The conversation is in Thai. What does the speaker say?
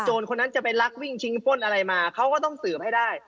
คนนั้นจะไปลักวิ่งชิงป้นอะไรมาเขาก็ต้องสืบให้ได้